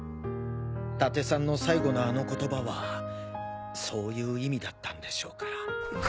伊達さんの最後のあの言葉はそういう意味だったんでしょうから。